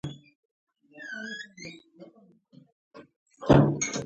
څوک نه پوهېدل چې چېرته تللی.